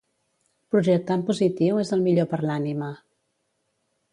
Projectar en positiu és el millor per l'ànima